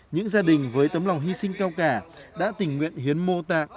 những gia đình với tấm lòng hy sinh cao cả đã tình nguyện hiến mô tạng